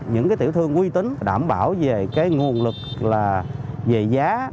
những cái tiểu thương uy tín đảm bảo về cái nguồn lực là về giá